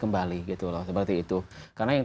kembali gitu loh seperti itu karena yang